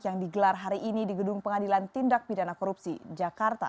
yang digelar hari ini di gedung pengadilan tindak pidana korupsi jakarta